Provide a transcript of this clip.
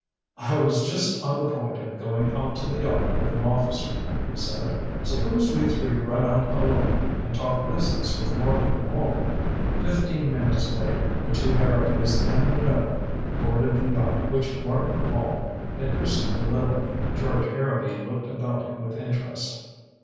"I was just on the point of going out to the yacht, with an officer," he said. "Suppose we three run out alone and talk business with Martin Wall." Fifteen minutes later the two Harrowbys and Minot boarded the yacht which Martin Wall had christened the Lileth. George Harrowby looked about him with interest.